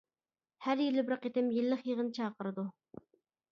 ھەر يىلى بىر قېتىم يىللىق يىغىن چاقىرىدۇ.